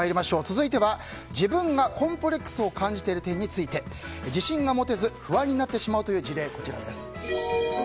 続いては自分がコンプレックスを感じている点について自信が持てず不安になってしまう事例です。